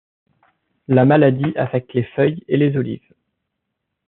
La maladie affecte les feuilles et les olives.